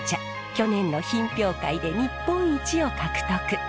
去年の品評会で日本一を獲得。